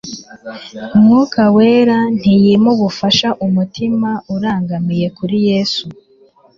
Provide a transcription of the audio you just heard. Umwuka Wera ntiyima ubufasha umutima urangamiye kuri Yesu.